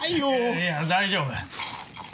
いや大丈夫。